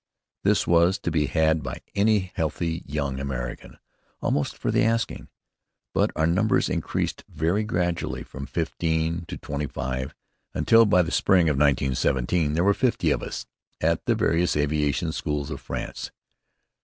This was to be had by any healthy young American, almost for the asking; but our numbers increased very gradually, from fifteen to twenty five, until by the spring of 1917 there were fifty of us at the various aviation schools of France.